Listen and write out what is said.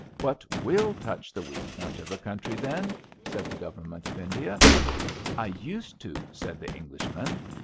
'* What will touch the weak point of the coun try, then? " said the Government of India. I used to," said the Englishman.